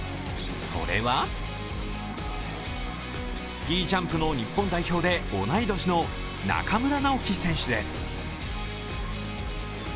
それはスキージャンプの日本代表で同い年の中村直幹選手です。